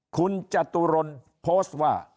คุณจตุรนโพสต์ว่า